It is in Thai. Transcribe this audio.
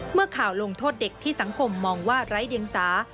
เมื่อข่าวลงโทษเด็กที่สังคมมองว่าไร้เดียงสา